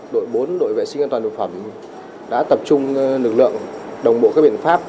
đội bốn đội vệ sinh an toàn thực phẩm đã tập trung lực lượng đồng bộ các biện pháp